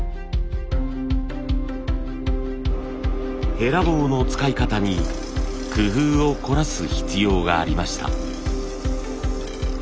ヘラ棒の使い方に工夫を凝らす必要がありました。